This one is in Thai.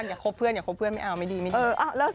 อย่าคบเพื่อนไม่เอาไม่ดีไม่ดี